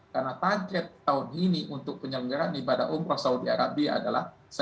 karena target tahun ini untuk penyelenggaraan ibadah umrah saudi arabia adalah